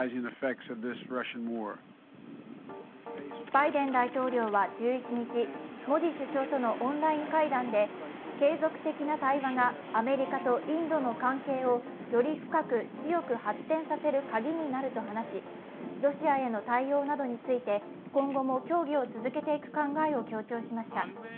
バイデン大統領は１１日、モディ首相とのオンライン会談で継続的な対話がアメリカとインドの関係をより深く強く発展させるカギになると話し、ロシアへの対応などについて今後も協議を続けていく考えを強調しました。